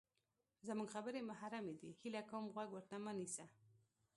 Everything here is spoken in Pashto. زمونږ خبرې محرمې دي، هیله کوم غوږ ورته مه نیسه!